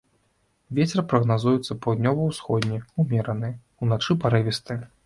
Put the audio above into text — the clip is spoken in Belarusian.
Вецер прагназуецца паўднёва-ўсходні ўмераны, уначы парывісты.